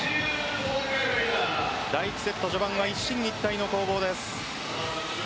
第１セット序盤は一進一退の攻防です。